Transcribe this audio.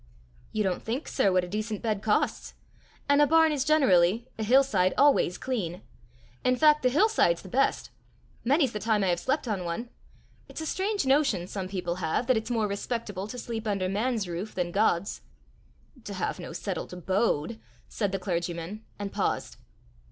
"You don't think, sir, what a decent bed costs; and a barn is generally, a hill side always clean. In fact the hill side's the best. Many's the time I have slept on one. It's a strange notion some people have, that it's more respectable to sleep under man's roof than God's." "To have no settled abode," said the clergyman, and paused.